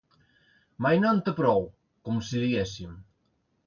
Mai no en té prou, com si diguéssim.